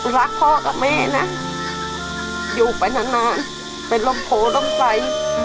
รักพ่อกับแม่นะอยู่ไปนานนานเป็นลมโพลมใส